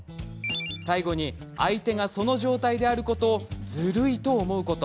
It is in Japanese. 最後に、相手がその状態であることをずるいと思うこと。